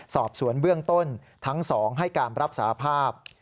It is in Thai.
สอบสวนเบื้องต้นทั้งสองให้การรับสาภาพ